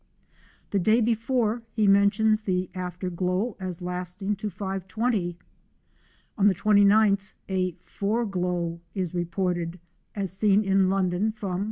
The day before he mentions the after glow as lasting to 5.20. On the 29th a " foreglow " is reported as seen in London from 5.